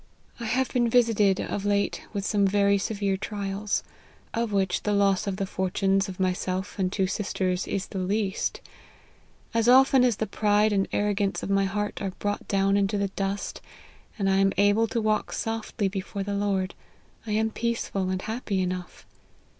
I have LIFE OF HENRY MARTYN. 35 been visited, of late, with some very severe trials ; of which the loss of the fortunes of myself and two sisters is the least. As often as the pride and arrogance of my heart are brought down into the dust, and 1 am able to walk softly before the Lord, I am peaceful and happy enough.